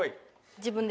自分です。